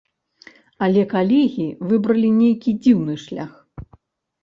Але калегі выбралі нейкі дзіўны шлях.